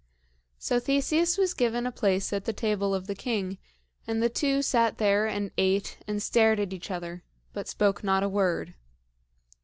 So Theseus was given a place at the table of the king, and the two sat there and ate and stared at each other, but spoke not a word.